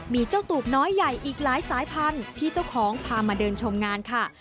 มีเจ้าตูบน้อยใหญ่อีกหลายสายพันธุ์ที่เจ้าของพามาเดินชมงานค่ะ